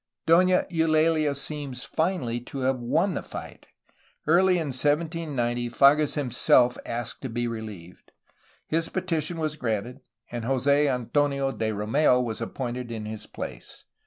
Dona Eulalia seems . finally to have won the fight. Early in 1790 Fages himself asked to be reheved. His petition was granted, and Jose Antonio de Romeu was appointed in his place.